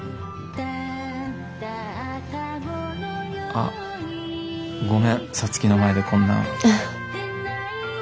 あっごめん皐月の前でこんな。